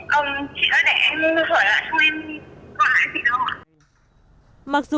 mình hỏi lại cho nên còn lại gì đâu ạ